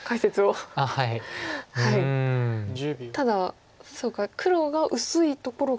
ただそうか黒が薄いところがあったという。